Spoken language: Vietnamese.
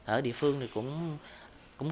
ở địa phương cũng